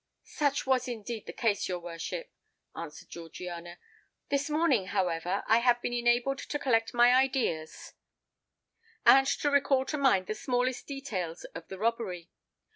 "Such was indeed the case, your worship," answered Georgiana. "This morning, however, I have been enabled to collect my ideas, and to recall to mind the smallest details of the robbery.